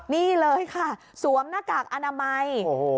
นี่เลยค่ะสวมหน้ากากอนามัย